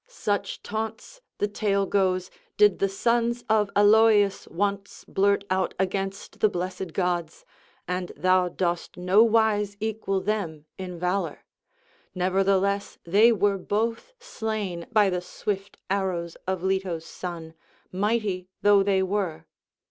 Such taunts, the tale goes, did the sons of Aloeus once blurt out against the blessed gods, and thou dost no wise equal them in valour; nevertheless they were both slain by the swift arrows of Leto's son, mighty though they were."